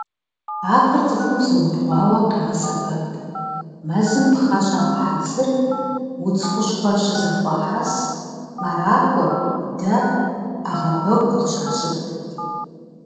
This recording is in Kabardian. Ахэр цӀыхум зыубгъуауэ къегъэсэбэп: мэзым пхъэ щагъэхьэзыр, удз хущхъуэхэр щызэхуахьэс, мэракӀуэ, дэ, Ӏэгъэбэгу къыщащып.